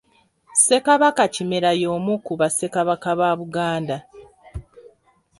Ssekabaka Kimera y'omu ku Bassekabaka ba Buganda